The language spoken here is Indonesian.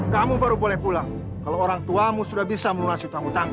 kamu baru boleh pulang kalau orang tuamu sudah bisa melunasi utang utang